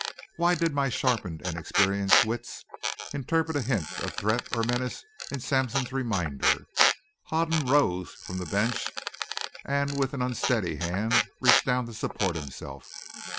Why did my sharpened and experienced wits interpret a hint of threat or menace in Sampson's reminder? Hoden rose from the bench and with an unsteady hand reached down to support himself.